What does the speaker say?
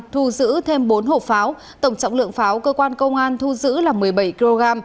thu giữ thêm bốn hộp pháo tổng trọng lượng pháo cơ quan công an thu giữ là một mươi bảy kg